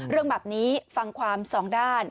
เรื่องแบบนี้ฟังความสองด้าน